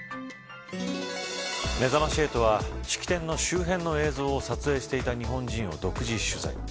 めざまし８は式典の周辺の映像を撮影していた日本人を独自取材。